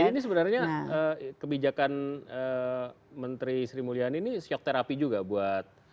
ini sebenarnya kebijakan menteri sri mulyani ini syok terapi juga buat